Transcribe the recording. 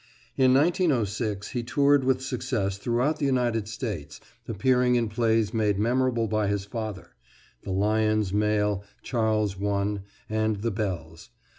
In 1906 he toured with success throughout the United States, appearing in plays made memorable by his father, "The Lyons Mail," "Charles I.," and "The Bells."